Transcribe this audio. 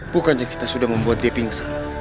bukan kita sudah membuat dia pingsan